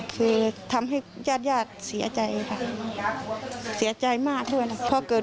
คือทำให้ญาติญาติเสียใจค่ะเสียใจมากด้วยนะ